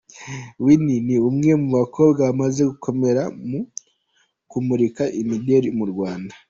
Winnie: Ni umwe mu bakobwa bamaze gukomera mu kumurika imideli mu Rwanda.